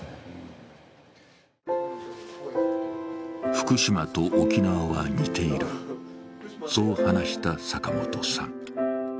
福島と沖縄は似ている、そう話した坂本さん。